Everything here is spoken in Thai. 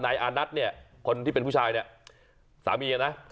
แน่อานัทเนี่ยคนที่เป็นผู้ชายสามีกันนะ